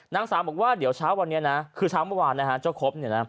นางสาวบอกว่าเดี๋ยวเช้าวันนี้นะคือเช้าเมื่อวานนะฮะเจ้าครบเนี่ยนะ